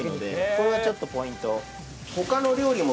これがちょっとポイント。